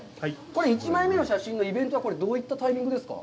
これ、１枚目の写真のイベントはこれはどういったタイミングですか。